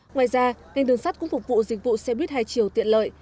ngoài ra ngành đường sắt cũng phục vụ dịch vụ xe buýt hai chiều tiện lợi